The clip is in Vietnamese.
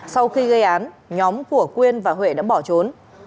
sau khi gây án nhóm của quyên và huệ đã bỏ trốn